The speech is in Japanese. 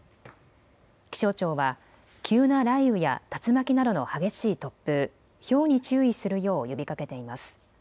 気象庁は、急な雷雨や竜巻などの激しい突風、ひょうに注意するよう呼びかけています。